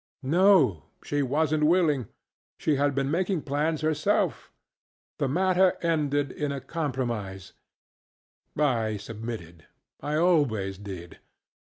NoŌĆöshe wasnŌĆÖt willing. She had been making plans herself. The matter ended in a compromise, I submitted. I always did.